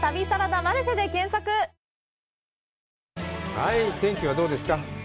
はい、天気はどうですか。